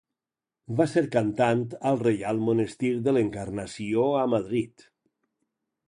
Va ser cantant al Reial Monestir de l'Encarnació a Madrid.